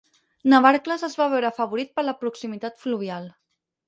Navarcles es va veure afavorit per la proximitat fluvial.